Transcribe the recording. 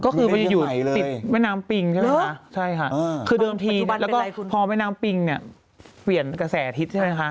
ก็คือไปอยู่ติดแม่น้ำปิงใช่ไหมคะใช่ค่ะคือเดิมทีแล้วก็พอแม่น้ำปิงเนี่ยเปลี่ยนกระแสอาทิตย์ใช่ไหมคะ